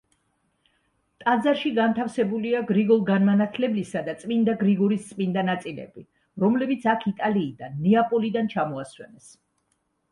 ტაძარში განთავსებულია გრიგოლ განმანათლებლისა და წმინდა გრიგორის წმინდა ნაწილები, რომლებიც აქ იტალიიდან, ნეაპოლიდან ჩამოასვენეს.